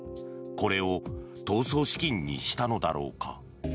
これを逃走資金にしたのだろうか。